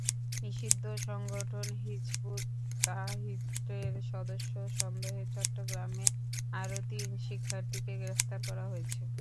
নিষিদ্ধ সংগঠন হিযবুত তাহ্রীরের সদস্য সন্দেহে চট্টগ্রামে আরও তিন শিক্ষার্থীকে গ্রেপ্তার করা হয়েছে।